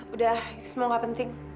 udah semoga penting